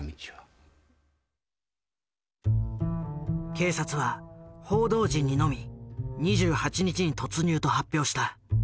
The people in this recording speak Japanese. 警察は報道陣にのみ２８日に突入と発表した。